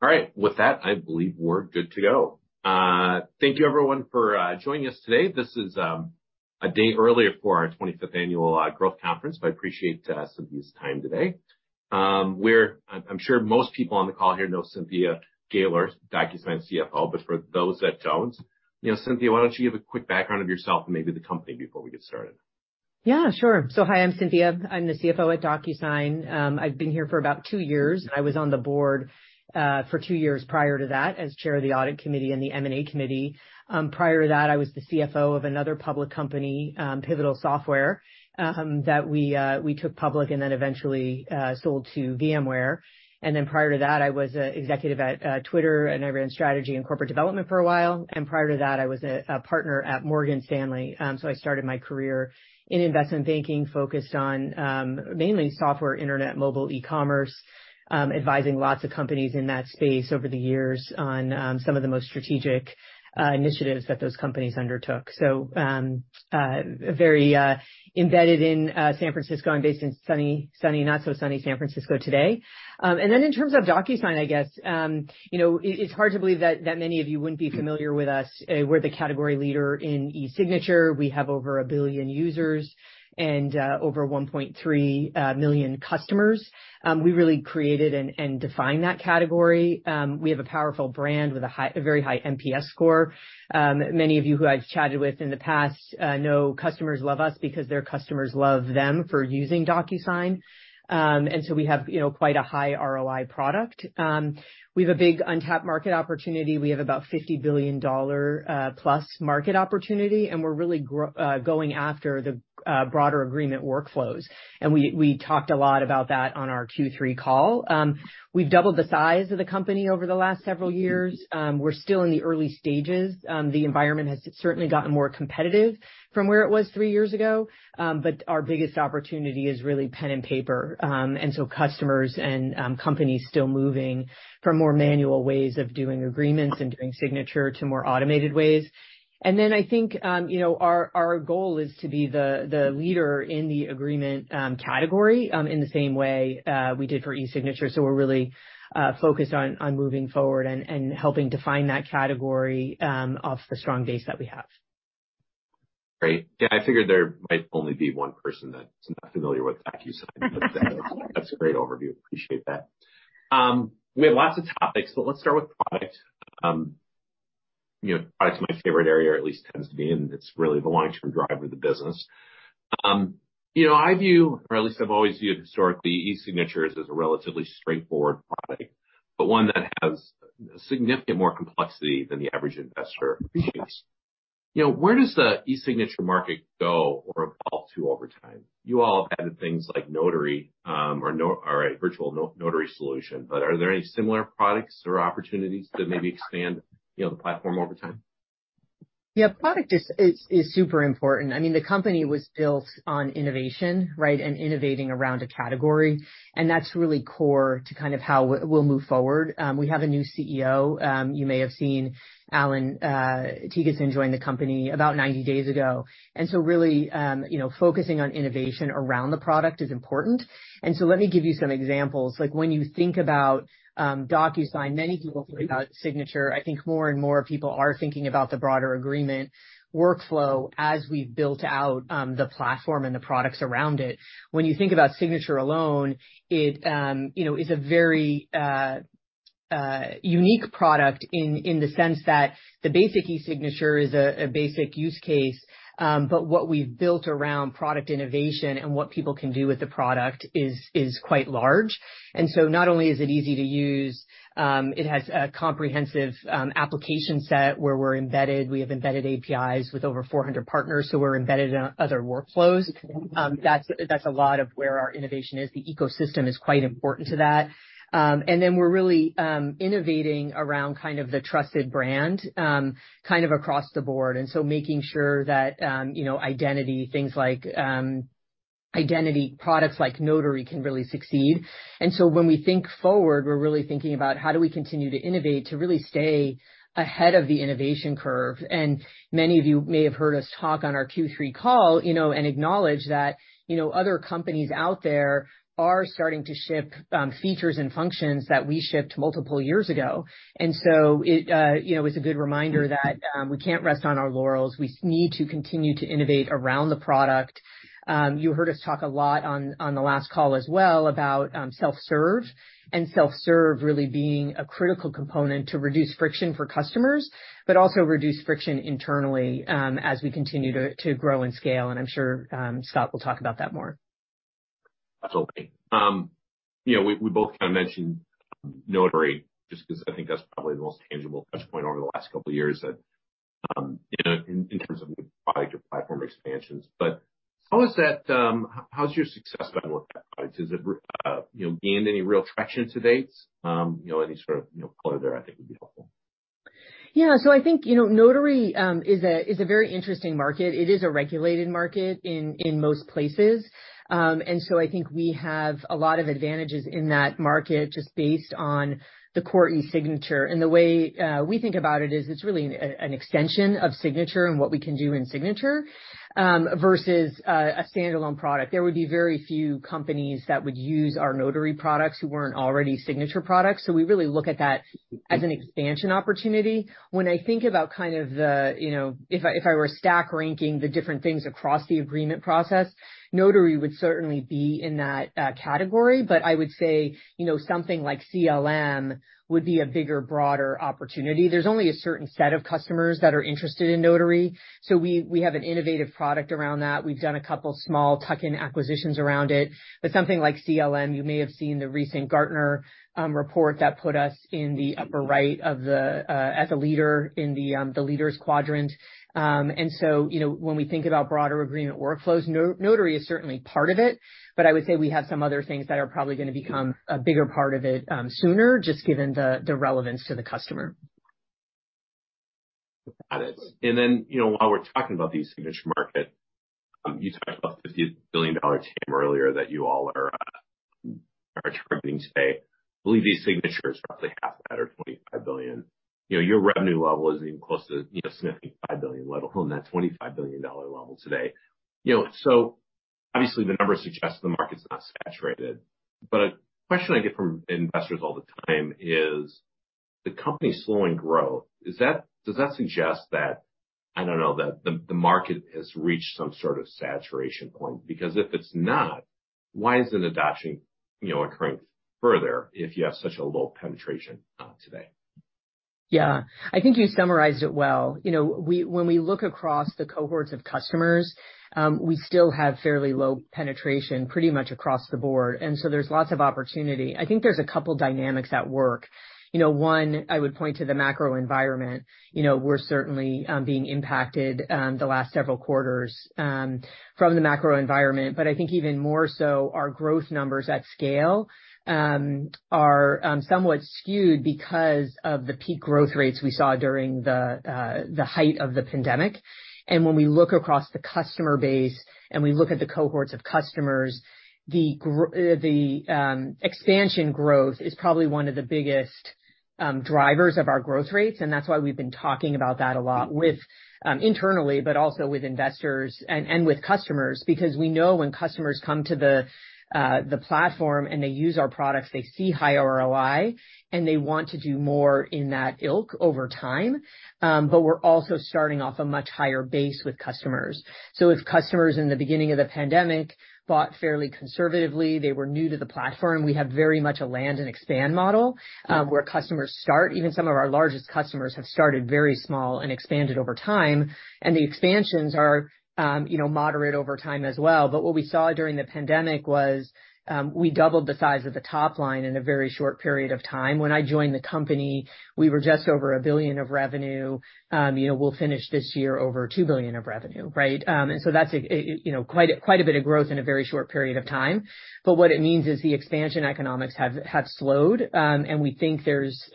All right. With that, I believe we're good to go. Thank you everyone for joining us today. This is a day earlier for our 25th annual growth conference, but I appreciate Cynthia's time today. I'm sure most people on the call here know Cynthia Gaylor, DocuSign CFO, but for those that don't, you know, Cynthia, why don't you give a quick background of yourself and maybe the company before we get started? Yeah, sure. Hi, I'm Cynthia. I'm the CFO at DocuSign. I've been here for about two years. I was on the board for two years prior to that as chair of the Audit Committee and the M&A committee. Prior to that, I was the CFO of another public company, Pivotal Software, that we took public and eventually sold to VMware. Prior to that, I was a executive at Twitter, and I ran strategy and corporate development for a while. Prior to that, I was a partner at Morgan Stanley. I started my career in investment banking focused on mainly software, internet, mobile, e-commerce, advising lots of companies in that space over the years on some of the most strategic initiatives that those companies undertook. Very embedded in San Francisco and based in sunny, not so sunny San Francisco today. In terms of DocuSign, I guess, you know, it's hard to believe that many of you wouldn't be familiar with us. We're the category leader in eSignature. We have over a billion users and over 1.3 million customers. We really created and defined that category. We have a powerful brand with a very high NPS score. Many of you who I've chatted with in the past, know customers love us because their customers love them for using DocuSign. We have, you know, quite a high ROI product. We have a big untapped market opportunity. We have about $50 billion plus market opportunity, we're really going after the broader agreement workflows. We talked a lot about that on our Q3 call. We've doubled the size of the company over the last several years. We're still in the early stages. The environment has certainly gotten more competitive from where it was three years ago. Our biggest opportunity is really pen and paper. Customers and companies still moving from more manual ways of doing agreements and doing signature to more automated ways. I think, you know, our goal is to be the leader in the agreement category in the same way we did for eSignature. We're really focused on moving forward and helping define that category, off the strong base that we have. Great. Yeah, I figured there might only be one person that's not familiar with DocuSign. That's a great overview. Appreciate that. We have lots of topics, but let's start with product. You know, product's my favorite area, or at least tends to be, and it's really the long-term driver of the business. You know, I view, or at least I've always viewed historically eSignature as a relatively straightforward product, but one that has significant more complexity than the average investor appreciates. You know, where does the eSignature market go or evolve to over time? You all have added things like Notary, or a virtual notary solution, but are there any similar products or opportunities to maybe expand, you know, the platform over time? Yeah, product is super important. I mean, the company was built on innovation, right? Innovating around a category. That's really core to kind of how we'll move forward. We have a new CEO, you may have seen Allan Thygesen join the company about 90 days ago. Really, you know, focusing on innovation around the product is important. Let me give you some examples. Like when you think about DocuSign, many people think about signature. I think more and more people are thinking about the broader agreement workflow as we've built out the platform and the products around it. When you think about signature alone, it you know, is a very unique product in the sense that the basic eSignature is a basic use case but what we've built around product innovation and what people can do with the product is quite large. Not only is it easy to use, it has a comprehensive application set where we're embedded. We have embedded APIs with over 400 partners, so we're embedded in other workflows. That's a lot of where our innovation is. The ecosystem is quite important to that. Then we're really innovating around kind of the trusted brand, kind of across the board, and so making sure that, you know, identity, things like identity products like Notary can really succeed. When we think forward, we're really thinking about how do we continue to innovate to really stay ahead of the innovation curve. Many of you may have heard us talk on our Q3 call, you know, and acknowledge that, you know, other companies out there are starting to ship features and functions that we shipped multiple years ago. It, you know, is a good reminder that we can't rest on our laurels. We need to continue to innovate around the product. You heard us talk a lot on the last call as well about self-serve, and self-serve really being a critical component to reduce friction for customers, but also reduce friction internally as we continue to grow and scale. I'm sure Scott will talk about that more. Absolutely. You know, we both kinda mentioned Notary just 'cause I think that's probably the most tangible touchpoint over the last couple of years that, you know, in terms of new product or platform expansions. How's your success been with that product? Is it, you know, gained any real traction to date? You know, any sort of, you know, color there I think would be helpful. Yeah. I think, you know, Notary is a very interesting market. It is a regulated market in most places. I think we have a lot of advantages in that market. The core eSignature. The way we think about it is it's really an extension of signature and what we can do in signature versus a standalone product. There would be very few companies that would use our Notary products who weren't already eSignature products. We really look at that as an expansion opportunity. When I think about kind of the, you know, if I were stack ranking the different things across the agreement process, Notary would certainly be in that category. I would say, you know, something like CLM would be a bigger, broader opportunity. There's only a certain set of customers that are interested in Notary, so we have an innovative product around that. We've done a couple small tuck-in acquisitions around it. Something like CLM, you may have seen the recent Gartner report that put us in the upper right. As a leader in the leaders quadrant. You know, when we think about broader agreement workflows, Notary is certainly part of it, but I would say we have some other things that are probably gonna become a bigger part of it sooner, just given the relevance to the customer. Got it. You know, while we're talking about the eSignature market, you talked about $50 billion TAM earlier that you all are targeting today. Believe eSignature is roughly half that or $25 billion. Your revenue level isn't even close to, you know, significant $5 billion level on that $25 billion level today. Obviously the numbers suggest the market's not saturated. A question I get from investors all the time is, the company's slowing growth, does that suggest that, I don't know, that the market has reached some sort of saturation point? If it's not, why isn't adoption, you know, occurring further if you have such a low penetration today? Yeah. I think you summarized it well. You know, when we look across the cohorts of customers, we still have fairly low penetration pretty much across the board. There's lots of opportunity. I think there's a couple dynamics at work. You know, one, I would point to the macro environment. You know, we're certainly being impacted the last several quarters from the macro environment. I think even more so our growth numbers at scale are somewhat skewed because of the peak growth rates we saw during the height of the pandemic. When we look across the customer base, and we look at the cohorts of customers, the expansion growth is probably one of the biggest drivers of our growth rates, and that's why we've been talking about that a lot with internally, but also with investors and with customers. We know when customers come to the platform, and they use our products, they see high ROI, and they want to do more in that ilk over time. We're also starting off a much higher base with customers. If customers in the beginning of the pandemic bought fairly conservatively, they were new to the platform, we have very much a land and expand model where customers start. Even some of our largest customers have started very small and expanded over time. The expansions are, you know, moderate over time as well. What we saw during the pandemic was, we doubled the size of the top line in a very short period of time. When I joined the company, we were just over a billion of revenue. You know, we'll finish this year over $2 billion of revenue, right? That's, you know, quite a bit of growth in a very short period of time. What it means is the expansion economics have slowed. We think there's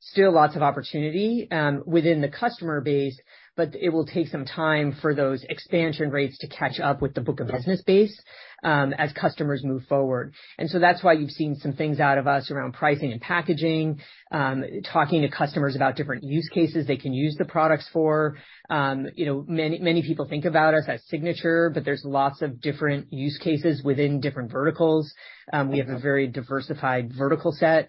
still lots of opportunity within the customer base, but it will take some time for those expansion rates to catch up with the book of business base as customers move forward. That's why you've seen some things out of us around pricing and packaging, talking to customers about different use cases they can use the products for. You know, many people think about us as signature, but there's lots of different use cases within different verticals. We have a very diversified vertical set,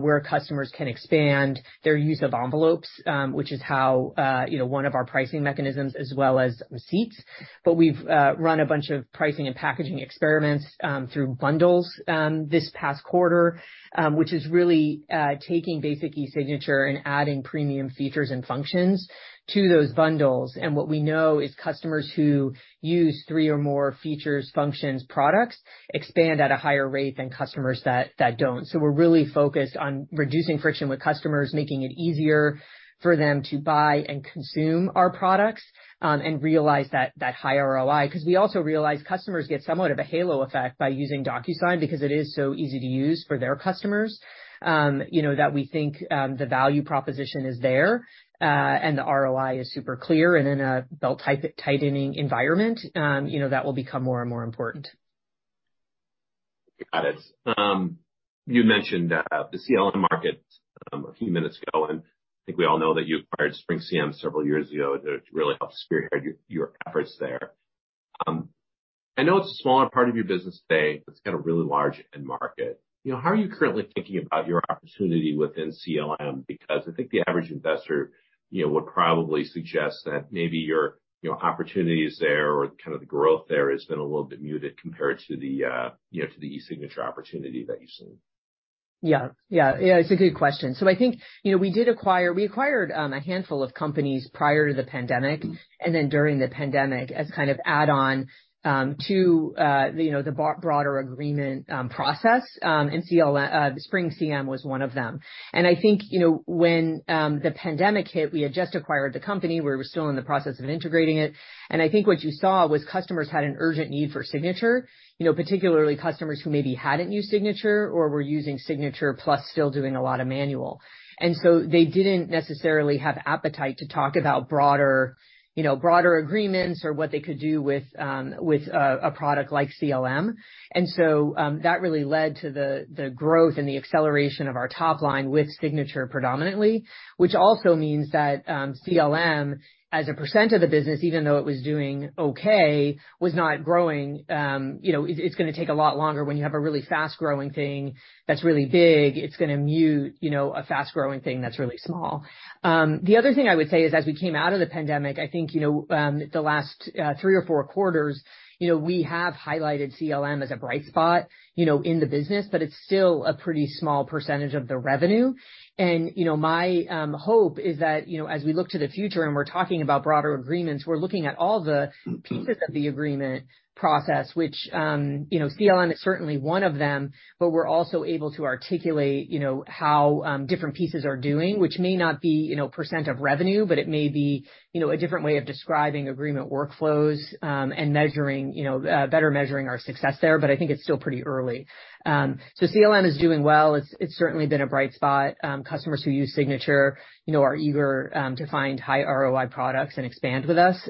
where customers can expand their use of envelopes, which is how, you know, one of our pricing mechanisms as well as receipts. We've run a bunch of pricing and packaging experiments, through bundles, this past quarter, which is really taking basic eSignature and adding premium features and functions to those bundles. What we know is customers who use three or more features, functions, products expand at a higher rate than customers that don't. We're really focused on reducing friction with customers, making it easier for them to buy and consume our products, and realize that high ROI. 'Cause we also realize customers get somewhat of a halo effect by using DocuSign because it is so easy to use for their customers, you know, that we think the value proposition is there, and the ROI is super clear. In a belt-tightening environment, you know, that will become more and more important. Got it. You mentioned the CLM market a few minutes ago. I think we all know that you acquired SpringCM several years ago. It really helped spearhead your efforts there. I know it's a smaller part of your business today, but it's got a really large end market. You know, how are you currently thinking about your opportunity within CLM? I think the average investor, you know, would probably suggest that maybe your, you know, opportunities there or kind of the growth there has been a little bit muted compared to the, you know, to the eSignature opportunity that you've seen. Yeah. Yeah. Yeah, it's a good question. I think, you know, we did acquire, we acquired a handful of companies prior to the pandemic, and then during the pandemic as kind of add-on to, you know, the broader agreement process. SpringCM was one of them. I think, you know, when the pandemic hit, we had just acquired the company. We were still in the process of integrating it. I think what you saw was customers had an urgent need for signature, you know, particularly customers who maybe hadn't used signature or were using signature plus still doing a lot of manual. They didn't necessarily have appetite to talk about broader, you know, broader agreements or what they could do with a product like CLM. That really led to the growth and the acceleration of our top line with signature predominantly, which also means that CLM, as a percentage of the business, even though it was doing okay, was not growing. You know, it's gonna take a lot longer when you have a really fast-growing thing that's really big, it's gonna mute, you know, a fast-growing thing that's really small. The other thing I would say is, as we came out of the pandemic, I think, you know, the last three or four quarters, you know, we have highlighted CLM as a bright spot, you know, in the business, but it's still a pretty small percentage of the revenue. You know, my hope is that, you know, as we look to the future and we're talking about broader agreements, we're looking at all the pieces of the agreement process, which, you know, CLM is certainly one of them, but we're also able to articulate, you know, how different pieces are doing, which may not be, you know, percent of revenue, but it may be, you know, a different way of describing agreement workflows, and measuring, you know, better measuring our success there. I think it's still pretty early. CLM is doing well. It's certainly been a bright spot. Customers who use signature, you know, are eager to find high ROI products and expand with us.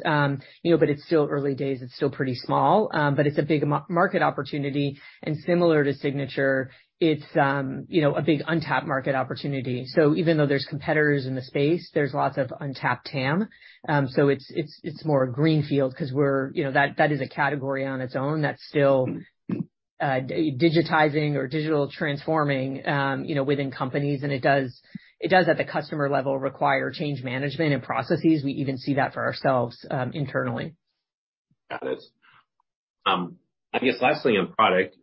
You know, but it's still early days, it's still pretty small. It's a big market opportunity. Similar to signature, it's, you know, a big untapped market opportunity. Even though there's competitors in the space, there's lots of untapped TAM. It's more a greenfield 'cause we're, you know, that is a category on its own that's still digitizing or digital transforming, you know, within companies. It does, at the customer level, require change management and processes. We even see that for ourselves internally. Got it. I guess lastly on product,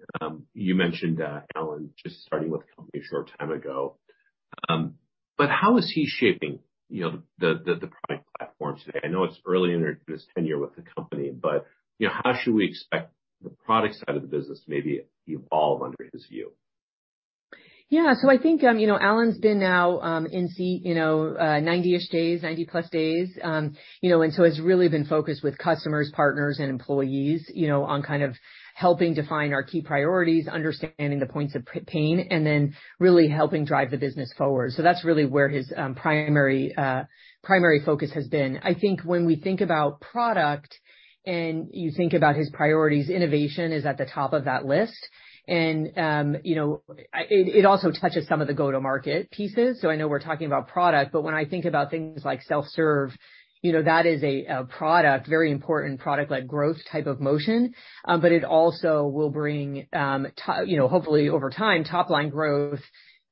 you mentioned Allan just starting with the company a short time ago. How is he shaping, you know, the product platform today? I know it's early in his tenure with the company, you know, how should we expect the product side of the business maybe evolve under his view? I think, you know, Allan's been now, in seat, you know, 90-ish days, 90+ days. you know, has really been focused with customers, partners, and employees, you know, on kind of helping define our key priorities, understanding the points of pain, and then really helping drive the business forward. That's really where his primary focus has been. I think when we think about product and you think about his priorities, innovation is at the top of that list. It also touches some of the go-to-market pieces. I know we're talking about product, but when I think about things like self-serve, you know, that is a product, very important product-led growth type of motion. It also will bring, you know, hopefully over time, top-line growth,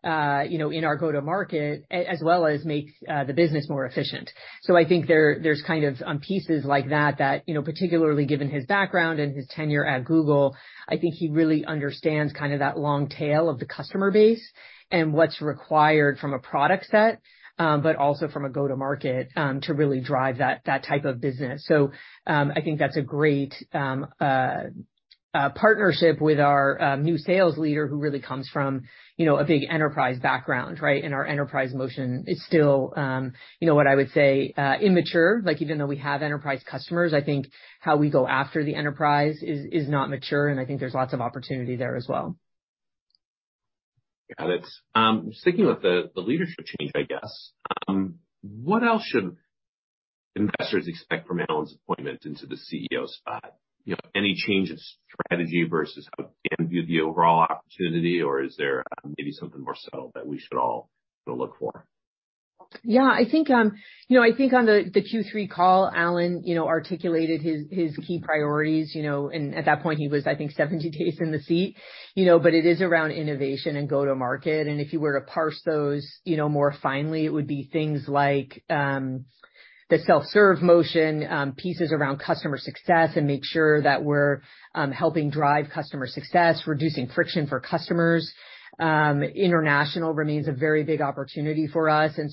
you know, in our go-to-market as well as make the business more efficient. I think there's kind of, on pieces like that, you know, particularly given his background and his tenure at Google, I think he really understands kind of that long tail of the customer base and what's required from a product set, but also from a go-to-market, to really drive that type of business. I think that's a great partnership with our new sales leader who really comes from, you know, a big enterprise background, right? Our enterprise motion is still, you know, what I would say, immature. Like, even though we have enterprise customers, I think how we go after the enterprise is not mature, and I think there's lots of opportunity there as well. Got it. Sticking with the leadership change, I guess. What else should investors expect from Allan's appointment into the CEO spot? You know, any change in strategy versus how Dan viewed the overall opportunity, or is there maybe something more so that we should all look for? I think, you know, I think on the Q3 call, Allan, you know, articulated his key priorities, you know, and at that point he was, I think, 70 days in the seat. It is around innovation and go-to-market. If you were to parse those, you know, more finely, it would be things like the self-serve motion, pieces around customer success and make sure that we're helping drive customer success, reducing friction for customers. International remains a very big opportunity for us. In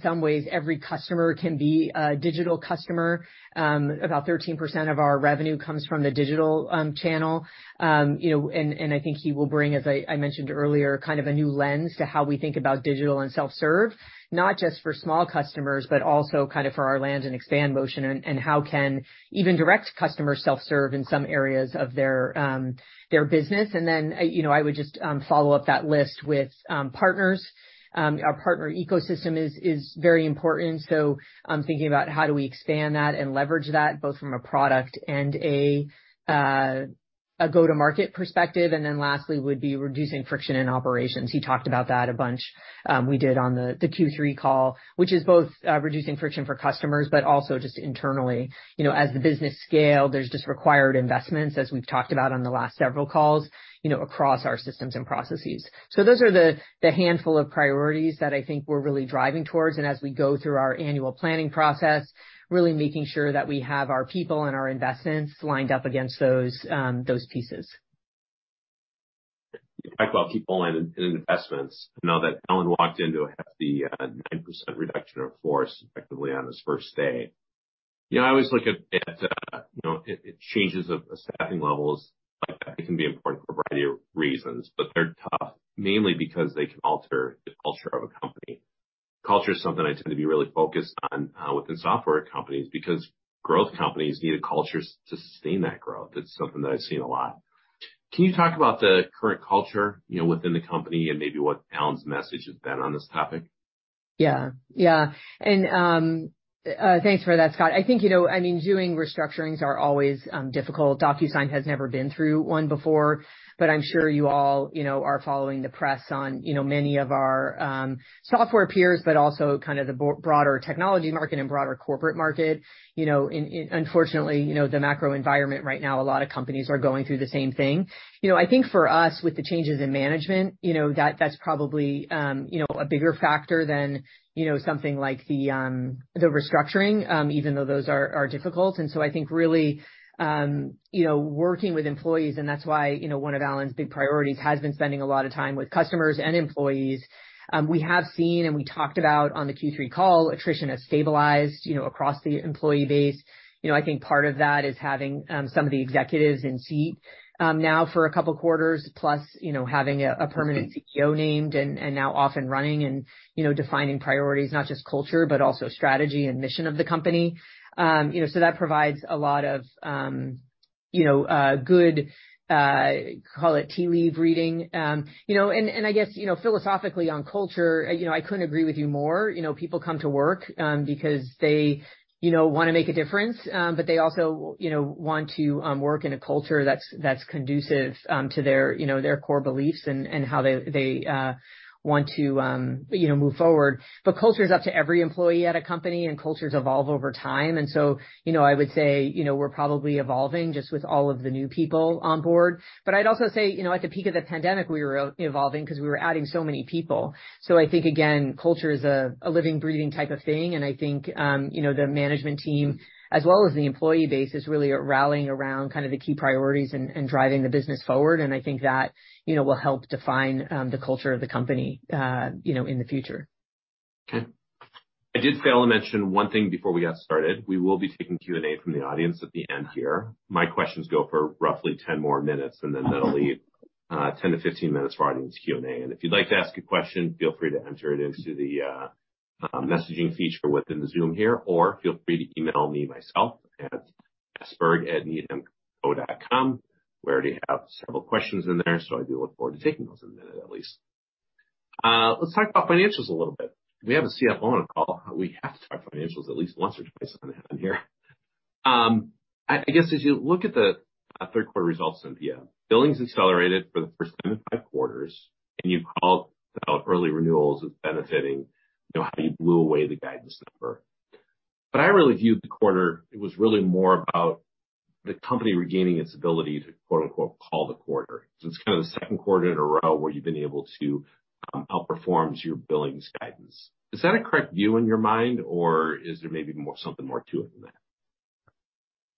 some ways every customer can be a digital customer. About 13% of our revenue comes from the digital channel. You know, I think he will bring, as I mentioned earlier, kind of a new lens to how we think about digital and self-serve, not just for small customers, but also kind of for our land and expand motion and how can even direct customers self-serve in some areas of their business. You know, I would just follow up that list with partners. Our partner ecosystem is very important. Thinking about how do we expand that and leverage that both from a product and a go-to-market perspective. Lastly would be reducing friction in operations. He talked about that a bunch, we did on the Q3 call, which is both reducing friction for customers, but also just internally. You know, as the business scale, there's just required investments as we've talked about on the last several calls, you know, across our systems and processes. Those are the handful of priorities that I think we're really driving towards. As we go through our annual planning process, really making sure that we have our people and our investments lined up against those pieces. Talk about people and investments. Now that Allan walked into a hefty 9% reduction of force effectively on his first day. You know, I always look at, you know, changes of staffing levels like that can be important for a variety of reasons, but they're tough, mainly because they can alter the culture of a company. Culture is something I tend to be really focused on within software companies because growth companies need a culture to sustain that growth. It's something that I've seen a lot. Can you talk about the current culture, you know, within the company and maybe what Allan's message has been on this topic? Yeah. Yeah. Thanks for that, Scott. I think, you know, I mean, doing restructurings are always difficult. DocuSign has never been through one before, but I'm sure you all, you know, are following the press on, you know, many of our software peers, but also kind of the broader technology market and broader corporate market. You know, unfortunately, you know, the macro environment right now, a lot of companies are going through the same thing. You know, I think for us, with the changes in management, you know, that's probably, you know, a bigger factor than, you know, something like the restructuring, even though those are difficult. I think really, you know, working with employees, and that's why, you know, one of Allan's big priorities has been spending a lot of time with customers and employees. We have seen and we talked about on the Q3 call, attrition has stabilized, you know, across the employee base. You know, I think part of that is having some of the executives in seat now for a couple of quarters, plus, you know, having a permanent CEO named and now off and running and, you know, defining priorities, not just culture, but also strategy and mission of the company. You know, so that provides a lot of, you know, good, call it tea leave reading. You know, and I guess, you know, philosophically on culture, you know, I couldn't agree with you more. You know, people come to work, because they, you know, wanna make a difference, but they also, you know, want to work in a culture that's conducive to their, you know, their core beliefs and how they want to, you know, move forward. Culture is up to every employee at a company, and cultures evolve over time. I would say, you know, we're probably evolving just with all of the new people on board. I'd also say, you know, at the peak of the pandemic, we were evolving because we were adding so many people. I think, again, culture is a living, breathing type of thing. I think, you know, the management team, as well as the employee base, is really rallying around kind of the key priorities and driving the business forward. I think that, you know, will help define, the culture of the company, you know, in the future. Okay. I did fail to mention one thing before we got started. We will be taking Q&A from the audience at the end here. My questions go for roughly 10 more minutes, and then that'll leave 10 to 15 minutes for audience Q&A. If you'd like to ask a question, feel free to enter it into the messaging feature within the Zoom here, or feel free to email me myself at sberg@needhamco.com. We already have several questions in there, so I do look forward to taking those in a minute at least. Let's talk about financials a little bit. We have a CFO on the call. We have to talk financials at least once or twice on here. I guess as you look at the third quarter results, Cynthia, billings accelerated for the first time in five quarters. You called out early renewals as benefiting, you know, how you blew away the guidance number. I really viewed the quarter, it was really more about the company regaining its ability to quote-unquote call the quarter. It's kinda the second quarter in a row where you've been able to outperform your billings guidance. Is that a correct view in your mind, or is there maybe something more to it than that?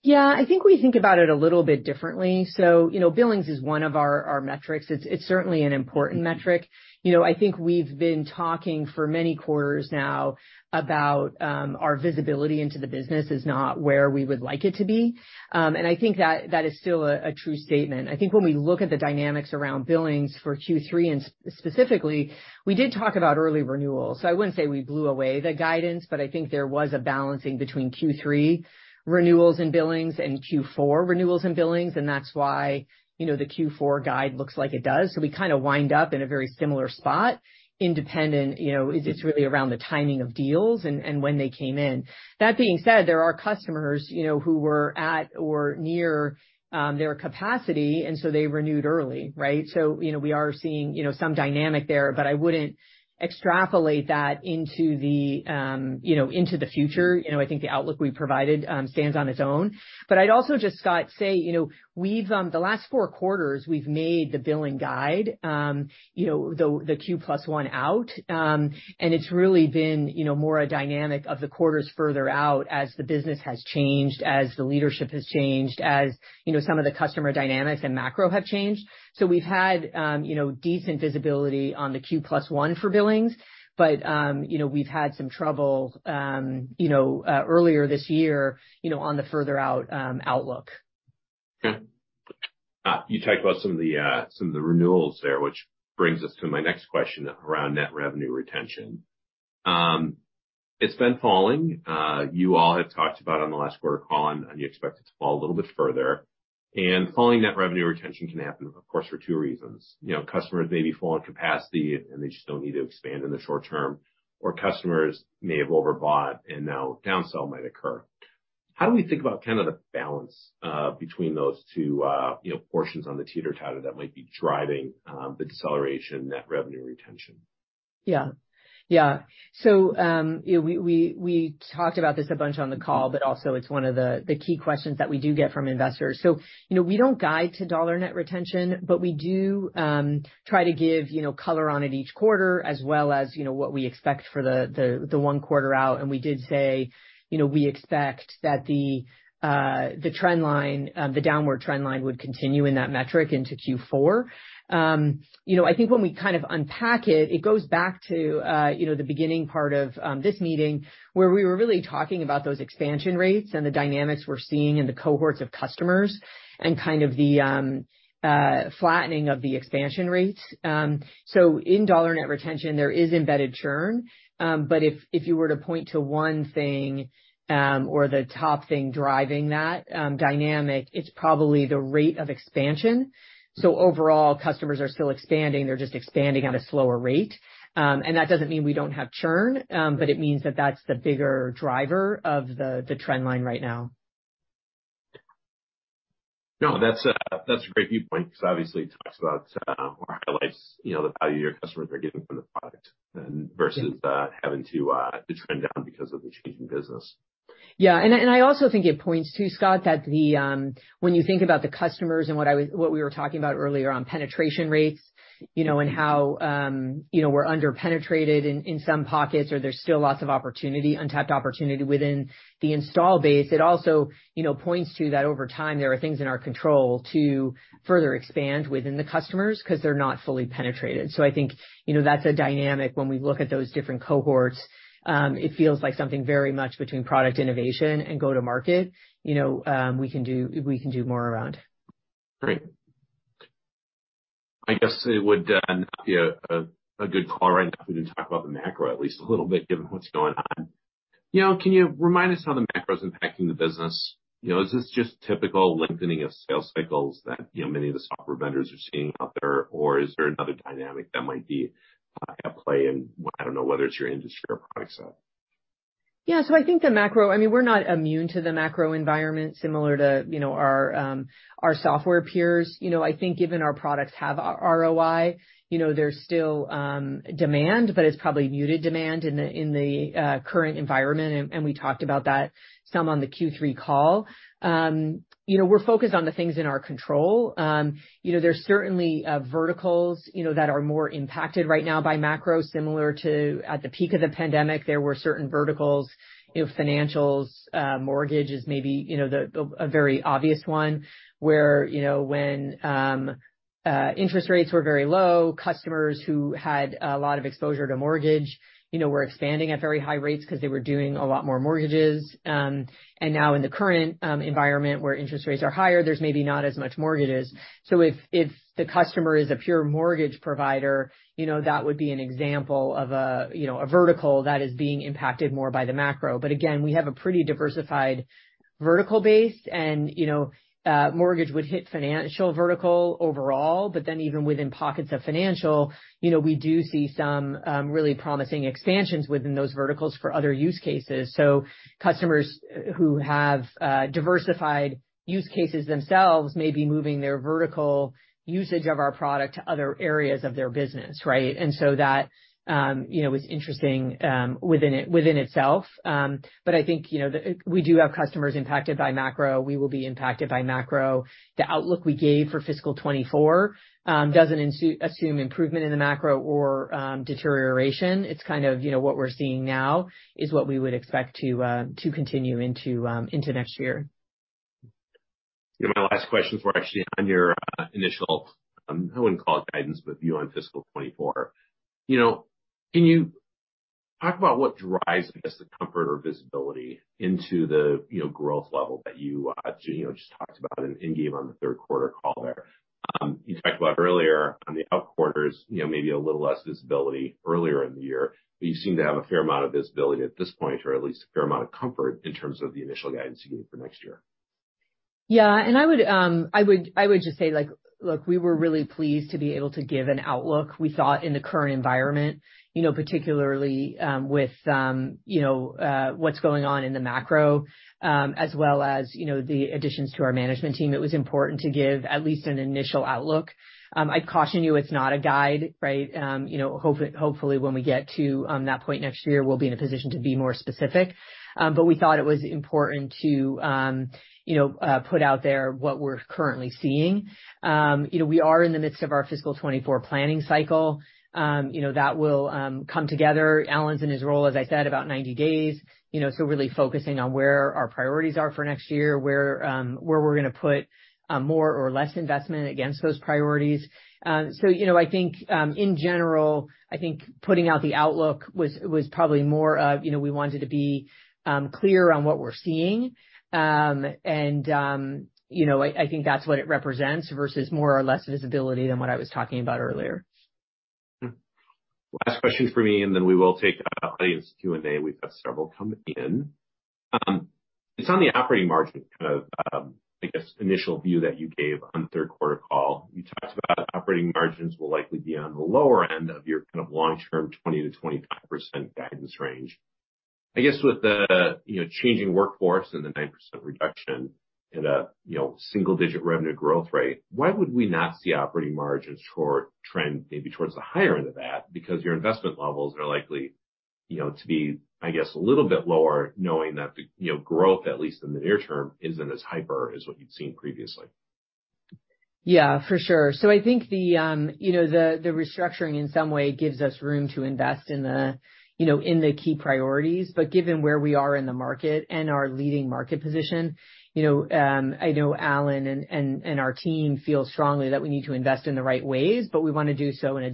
Yeah. I think we think about it a little bit differently. You know, billings is one of our metrics. It's certainly an important metric. You know, I think we've been talking for many quarters now about our visibility into the business is not where we would like it to be. I think that is still a true statement. I think when we look at the dynamics around billings for Q3, specifically, we did talk about early renewals. I wouldn't say we blew away the guidance. I think there was a balancing between Q3 renewals and billings and Q4 renewals and billings. That's why, you know, the Q4 guide looks like it does. We kinda wind up in a very similar spot independent, you know, it's really around the timing of deals and when they came in. That being said, there are customers, you know, who were at or near their capacity, and so they renewed early, right? We are seeing, you know, some dynamic there, but I wouldn't extrapolate that into the, you know, into the future. You know, I think the outlook we provided stands on its own. I'd also just, Scott, say, you know, we've the last four quarters, we've made the billing guide, you know, the Q+1 out. It's really been, you know, more a dynamic of the quarters further out as the business has changed, as the leadership has changed, as, you know, some of the customer dynamics and macro have changed. We've had, you know, decent visibility on the Q+1 one for billings. We've had some trouble, you know, earlier this year, you know, on the further out, outlook. Okay. You talked about some of the, some of the renewals there, which brings us to my next question around Net Revenue Retention. It's been falling. You all have talked about on the last quarter call, and you expect it to fall a little bit further. Falling Net Revenue Retention can happen, of course, for two reasons. You know, customers may be full on capacity and they just don't need to expand in the short term, or customers may have overbought and now downsell might occur. How do we think about kind of the balance between those two, you know, portions on the teeter-totter that might be driving the deceleration Net Revenue Retention? Yeah. Yeah. You know, we talked about this a bunch on the call, but also it's one of the key questions that we do get from investors. You know, we don't guide to Dollar Net Retention, but we do try to give, you know, color on it each quarter as well as, you know, what we expect for the one quarter out. We did say, you know, we expect that the trend line, the downward trend line would continue in that metric into Q4. When we kind of unpack it goes back to, you know, the beginning part of this meeting where we were really talking about those expansion rates and the dynamics we're seeing in the cohorts of customers and kind of the flattening of the expansion rates. In Dollar Net Retention, there is embedded churn. But if you were to point to one thing or the top thing driving that dynamic, it's probably the rate of expansion. Overall, customers are still expanding. They're just expanding at a slower rate. And that doesn't mean we don't have churn, but it means that that's the bigger driver of the trend line right now. No, that's a great viewpoint because obviously it talks about, or highlights, you know, the value your customers are getting from the product and versus, having to trend down because of the change in business. Yeah. I, and I also think it points to, Scott, that the when you think about the customers and what we were talking about earlier on penetration rates, you know, and how, you know, we're under-penetrated in some pockets or there's still lots of opportunity, untapped opportunity within the install base. It also, you know, points to that over time, there are things in our control to further expand within the customers ’cause they're not fully penetrated. I think, you know, that's a dynamic when we look at those different cohorts, it feels like something very much between product innovation and go to market, you know, we can do, we can do more around. Great. I guess it would not be a good call right now if we didn't talk about the macro at least a little bit given what's going on. You know, can you remind us how the macro is impacting the business? You know, is this just typical lengthening of sales cycles that, you know, many of the software vendors are seeing out there, or is there another dynamic that might be at play in, I don't know whether it's your industry or product set? Yeah. I mean, we're not immune to the macro environment similar to, you know, our software peers. You know, I think given our products have ROI, you know, there's still demand, but it's probably muted demand in the current environment, and we talked about that some on the Q3 call. You know, we're focused on the things in our control. you know, there's certainly verticals, you know, that are more impacted right now by macro similar to at the peak of the pandemic, there were certain verticals, you know, financials, mortgage is maybe, you know, a very obvious one, where, you know, when interest rates were very low, customers who had a lot of exposure to mortgage, you know, were expanding at very high rates 'cause they were doing a lot more mortgages. Now in the current environment where interest rates are higher, there's maybe not as much mortgages. If the customer is a pure mortgage provider, you know, that would be an example of a, you know, a vertical that is being impacted more by the macro. Again, we have a pretty diversified vertical base and, you know, mortgage would hit financial vertical overall, but then even within pockets of financial, you know, we do see some really promising expansions within those verticals for other use cases. So customers who have diversified use cases themselves may be moving their vertical usage of our product to other areas of their business, right? So that, you know, is interesting within itself. I think, you know, we do have customers impacted by macro. We will be impacted by macro. The outlook we gave for fiscal 2024 doesn't assume improvement in the macro or deterioration. It's kind of, you know, what we're seeing now is what we would expect to continue into next year. My last questions were actually on your initial, I wouldn't call it guidance, but view on fiscal 2024. Can you talk about what drives, I guess, the comfort or visibility into the, you know, growth level that you know, just talked about in game on the third quarter call there? You talked about earlier on the out quarters, you know, maybe a little less visibility earlier in the year, but you seem to have a fair amount of visibility at this point or at least a fair amount of comfort in terms of the initial guidance you're giving for next year. Yeah. I would just say, like, look, we were really pleased to be able to give an outlook we thought in the current environment, you know, particularly, with, you know, what's going on in the macro, as well as, you know, the additions to our management team. It was important to give at least an initial outlook. I'd caution you, it's not a guide, right? You know, hopefully, when we get to that point next year, we'll be in a position to be more specific. We thought it was important to, you know, put out there what we're currently seeing. You know, we are in the midst of our fiscal 2024 planning cycle, you know, that will come together. Allan's in his role, as I said, about 90 days. You know, really focusing on where our priorities are for next year, where we're gonna put, more or less investment against those priorities. You know, I think, in general, I think putting out the outlook was probably more of, you know, we wanted to be, clear on what we're seeing. You know, I think that's what it represents versus more or less visibility than what I was talking about earlier. Last question for me, and then we will take audience Q&A. We've got several come in. It's on the operating margin, kind of, I guess, initial view that you gave on third quarter call. You talked about operating margins will likely be on the lower end of your kind of long-term 20%-25% guidance range. I guess with the, you know, changing workforce and the 9% reduction in a, you know, single-digit revenue growth rate, why would we not see operating margins short trend maybe towards the higher end of that? Because your investment levels are likely, you know, to be, I guess, a little bit lower, knowing that the, you know, growth, at least in the near term, isn't as hyper as what you'd seen previously. Yeah, for sure. I think the, you know, the restructuring in some way gives us room to invest in the, you know, in the key priorities. Given where we are in the market and our leading market position, you know, I know Allan and our team feel strongly that we need to invest in the right ways, but we wanna do so in a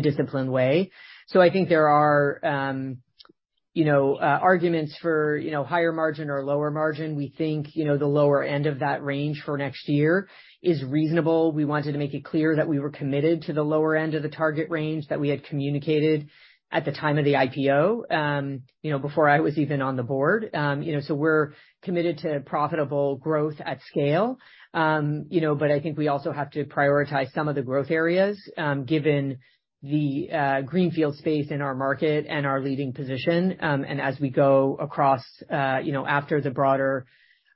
disciplined way. I think there are, you know, arguments for, you know, higher margin or lower margin. We think, you know, the lower end of that range for next year is reasonable. We wanted to make it clear that we were committed to the lower end of the target range that we had communicated at the time of the IPO, you know, before I was even on the board. You know, we're committed to profitable growth at scale. You know, I think we also have to prioritize some of the growth areas, given the greenfield space in our market and our leading position. As we go across, you know, after the broader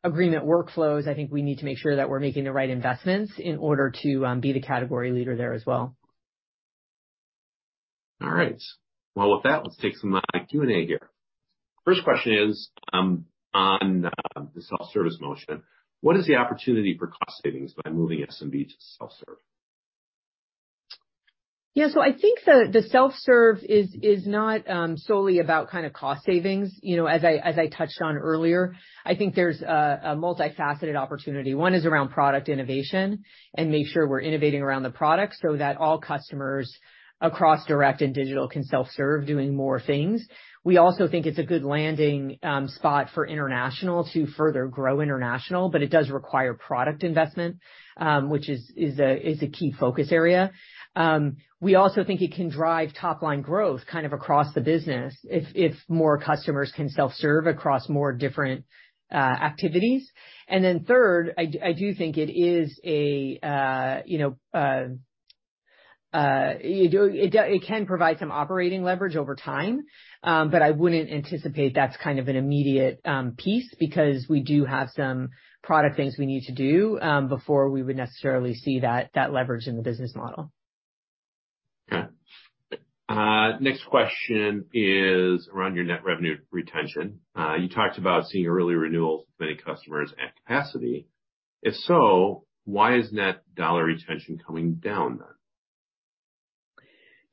agreement workflows, I think we need to make sure that we're making the right investments in order to be the category leader there as well. All right. Well, with that, let's take some live Q&A here. First question is, on the self-service motion. What is the opportunity for cost savings by moving SMB to self-serve? I think the self-serve is not solely about kind of cost savings. You know, as I, as I touched on earlier, I think there's a multifaceted opportunity. One is around product innovation and make sure we're innovating around the product so that all customers across direct and digital can self-serve doing more things. We also think it's a good landing spot for international to further grow international, but it does require product investment, which is a key focus area. We also think it can drive top line growth kind of across the business if more customers can self-serve across more different activities. Third, I do think it is a, you know, it can provide some operating leverage over time. I wouldn't anticipate that's kind of an immediate piece because we do have some product things we need to do before we would necessarily see that leverage in the business model. Next question is around your Net Revenue Retention. You talked about seeing early renewals with many customers at capacity. If so, why is Dollar Net Retention coming down then?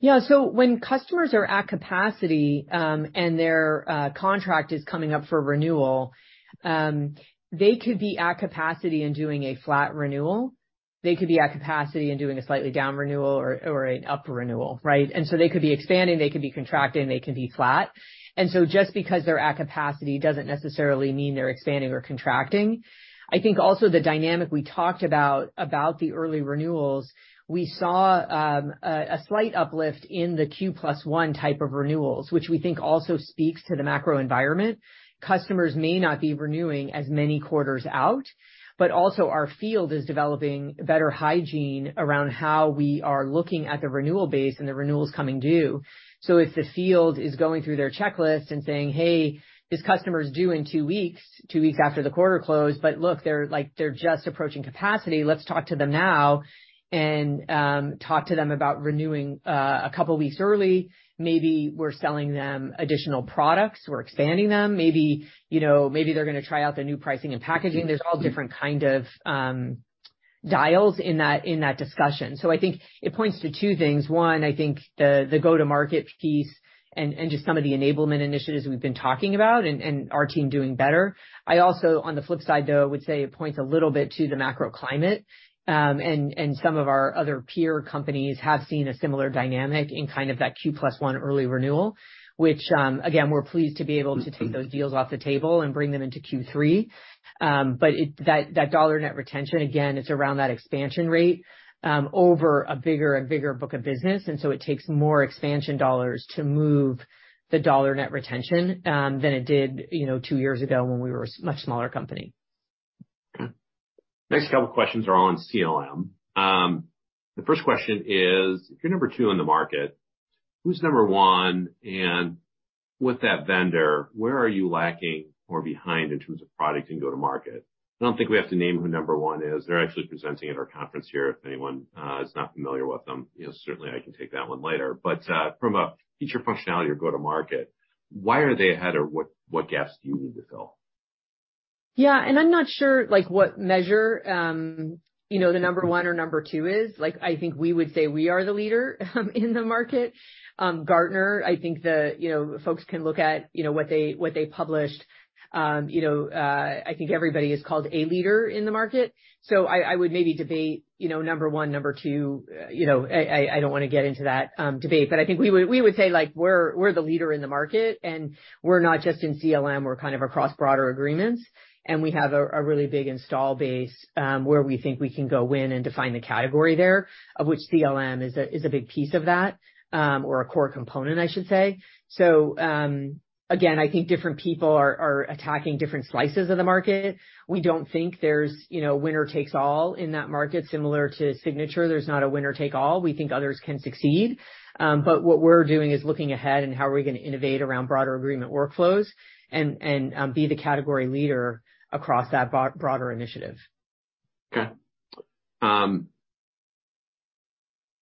Yeah. When customers are at capacity, and their contract is coming up for renewal, they could be at capacity and doing a flat renewal. They could be at capacity and doing a slightly down renewal or an up renewal, right? They could be expanding, they could be contracting, they could be flat. Just because they're at capacity doesn't necessarily mean they're expanding or contracting. I think also the dynamic we talked about the early renewals, we saw a slight uplift in the Q+1 type of renewals, which we think also speaks to the macro environment. Customers may not be renewing as many quarters out, but also our field is developing better hygiene around how we are looking at the renewal base and the renewals coming due. If the field is going through their checklist and saying, "Hey, this customer's due in two weeks, two weeks after the quarter closed. Look, they're like, they're just approaching capacity. Let's talk to them now and talk to them about renewing a couple weeks early. Maybe we're selling them additional products. We're expanding them. Maybe, you know, maybe they're gonna try out the new pricing and packaging." There's all different kind of dials in that, in that discussion. I think it points to two things. One, I think the go-to-market piece and just some of the enablement initiatives we've been talking about and our team doing better. I also, on the flip side, though, would say it points a little bit to the macro climate. Some of our other peer companies have seen a similar dynamic in kind of that Q+1 early renewal, which, again, we're pleased to be able to take those deals off the table and bring them into Q3. That Dollar Net Retention, again, it's around that expansion rate, over a bigger, a bigger book of business, and so it takes more expansion dollars to move the Dollar Net Retention, than it did, you know, two years ago when we were a much smaller company. Okay. Next couple questions are on CLM. The first question is, if you're number two in the market, who's number one? With that vendor, where are you lacking or behind in terms of product and go-to-market? I don't think we have to name who number one is. They're actually presenting at our conference here, if anyone is not familiar with them. You know, certainly I can take that one later. From a feature functionality or go-to-market, why are they ahead or what gaps do you need to fill? Yeah. I'm not sure, like, what measure, you know, the number one or number two is. Like, I think we would say we are the leader in the market. Gartner, I think the, you know, folks can look at, you know, what they, what they published. You know, I think everybody is called a leader in the market, so I would maybe debate, you know, number one, number two. You know, I don't wanna get into that debate. I think we would say, like, we're the leader in the market, and we're not just in CLM. We're kind of across broader agreements. We have a really big install base where we think we can go in and define the category there, of which CLM is a big piece of that, or a core component, I should say. Again, I think different people are attacking different slices of the market. We don't think there's, you know, winner takes all in that market. Similar to Signature, there's not a winner take all. We think others can succeed. What we're doing is looking ahead and how are we gonna innovate around broader agreement workflows and be the category leader across that broader initiative. Okay. On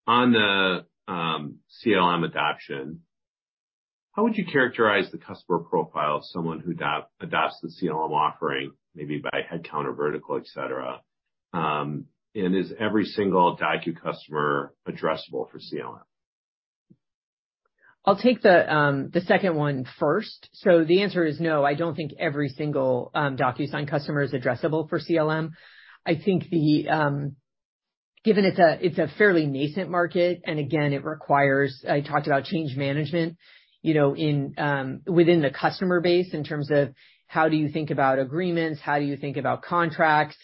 the CLM adoption, how would you characterize the customer profile of someone who adopts the CLM offering, maybe by head count or vertical, et cetera? Is every single DocuSign customer addressable for CLM? I'll take the second one first. The answer is no, I don't think every single DocuSign customer is addressable for CLM. I think the given it's a, it's a fairly nascent market, and again, I talked about change management, you know, within the customer base in terms of how do you think about agreements, how do you think about contracts,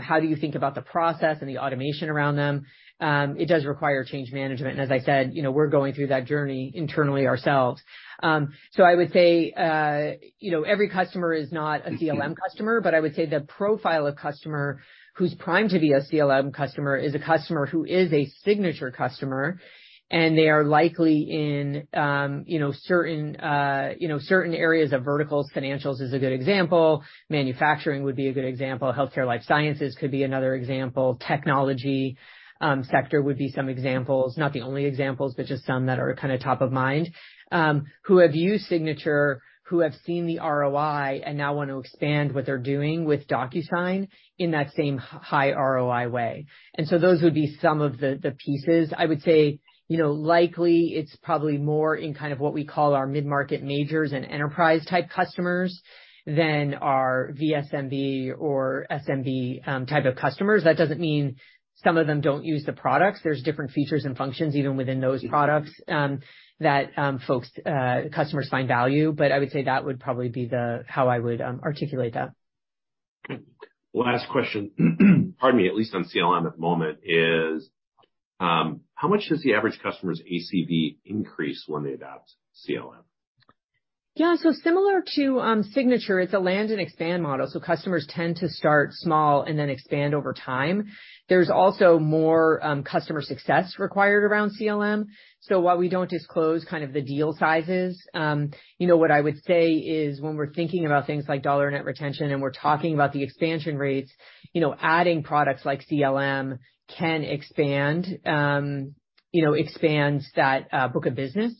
how do you think about the process and the automation around them? It does require change management. As I said, you know, we're going through that journey internally ourselves. I would say, you know, every customer is not a CLM customer. I would say the profile of customer who's primed to be a CLM customer is a customer who is a signature customer, and they are likely in, you know, certain, you know, certain areas of verticals. Financials is a good example, manufacturing would be a good example, healthcare, life sciences could be another example. Technology sector would be some examples. Not the only examples, but just some that are kind of top of mind, who have used signature, who have seen the ROI and now want to expand what they're doing with DocuSign in that same high ROI way. Those would be some of the pieces. I would say, you know, likely it's probably more in kind of what we call our mid-market majors and enterprise type customers than our VSMB or SMB type of customers. That doesn't mean some of them don't use the products. There's different features and functions even within those products, that folks, customers find value. I would say that would probably be the, how I would articulate that. Okay. Last question, pardon me, at least on CLM at the moment, is, how much does the average customer's ACV increase when they adopt CLM? Yeah. Similar to eSignature, it's a land and expand model. Customers tend to start small and then expand over time. There's also more customer success required around CLM. While we don't disclose kind of the deal sizes, you know, what I would say is when we're thinking about things like dollar net retention, and we're talking about the expansion rates, you know, adding products like CLM can expand, you know, expands that book of business.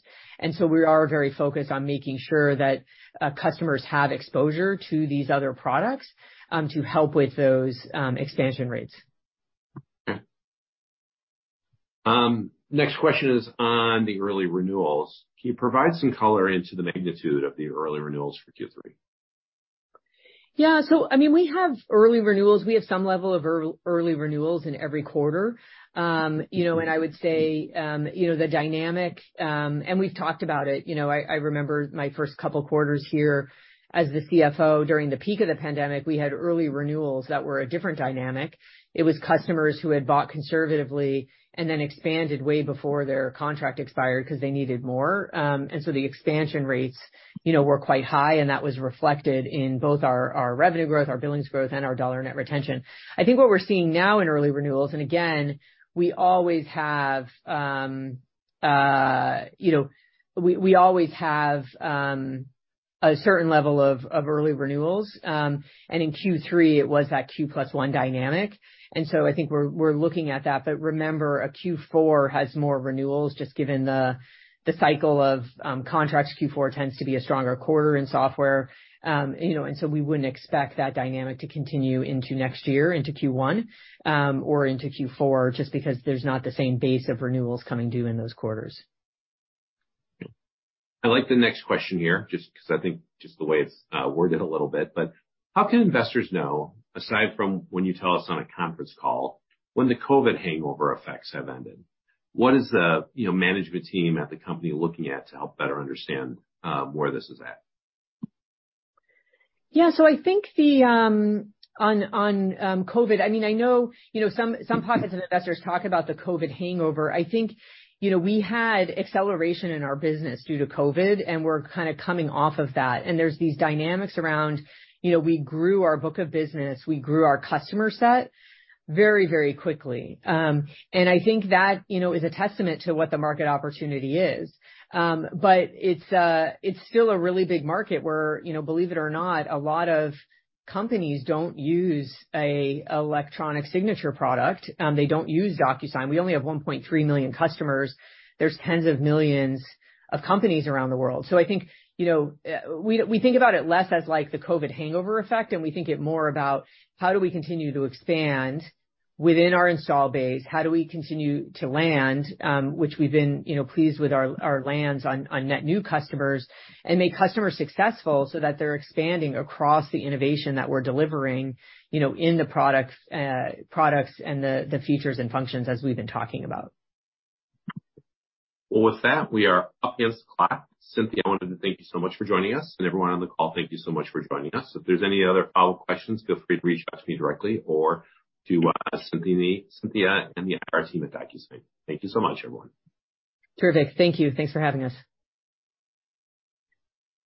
We are very focused on making sure that customers have exposure to these other products, to help with those expansion rates. Okay. Next question is on the early renewals. Can you provide some color into the magnitude of the early renewals for Q3? Yeah. I mean, we have early renewals. We have some level of early renewals in every quarter. You know, I would say, you know, the dynamic. We've talked about it, you know. I remember my first couple quarters here as the CFO during the peak of the pandemic, we had early renewals that were a different dynamic. It was customers who had bought conservatively and then expanded way before their contract expired because they needed more. The expansion rates, you know, were quite high, and that was reflected in both our revenue growth, our billings growth, and our Dollar Net Retention. I think what we're seeing now in early renewals. Again, we always have, you know, we always have a certain level of early renewals. In Q3, it was that Q+1 dynamic. I think we're looking at that. Remember, a Q4 has more renewals just given the cycle of contracts. Q4 tends to be a stronger quarter in software. You know, we wouldn't expect that dynamic to continue into next year into Q1, or into Q4, just because there's not the same base of renewals coming due in those quarters. I like the next question here, just 'cause I think just the way it's worded a little bit. How can investors know, aside from when you tell us on a conference call, when the COVID hangover effects have ended? What is the, you know, management team at the company looking at to help better understand where this is at? I think the on COVID, I mean, I know, you know, some pockets of investors talk about the COVID hangover. I think, you know, we had acceleration in our business due to COVID, and we're kinda coming off of that. There's these dynamics around, you know, we grew our book of business, we grew our customer set very quickly. I think that, you know, is a testament to what the market opportunity is. It's still a really big market where, you know, believe it or not, a lot of companies don't use a electronic signature product. They don't use DocuSign. We only have 1.3 million customers. There's tens of millions of companies around the world. I think, you know, we think about it less as like the COVID hangover effect. We think it more about how do we continue to expand within our install base? How do we continue to land, which we've been, you know, pleased with our lands on net new customers and make customers successful so that they're expanding across the innovation that we're delivering, you know, in the products and the features and functions as we've been talking about. Well, with that, we are up against the clock. Cynthia, I wanted to thank you so much for joining us, and everyone on the call, thank you so much for joining us. If there's any other follow-up questions, feel free to reach out to me directly or to Cynthia in the IR team at DocuSign. Thank you so much, everyone. Terrific. Thank you. Thanks for having us.